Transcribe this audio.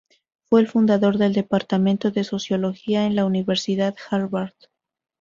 Fue el fundador del Departamento de Sociología en la Universidad Harvard.